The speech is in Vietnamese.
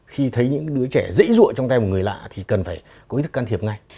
khi thấy những đứa trẻ dễ dụa trong tay một người lạ thì cần phải có ý thức can thiệp ngay